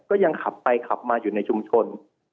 ก็ยังขับไปขับมาอยู่ในชุมชน